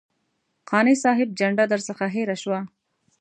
قانع صاحب جنډه درڅخه هېره شوه.